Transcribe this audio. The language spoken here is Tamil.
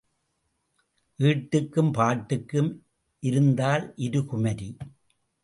ஈட்டுக்கும் பாட்டுக்கும் இருந்தாள் இரு குமரி.